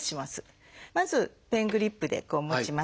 まずペングリップで持ちます。